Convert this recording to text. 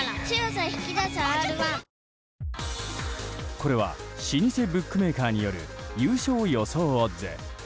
これは老舗ブックメーカーによる優勝予想オッズ。